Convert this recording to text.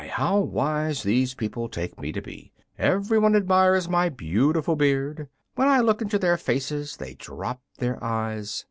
how wise these people take me to be. Every one admires my beautiful beard. When I look into their faces they drop their eyes.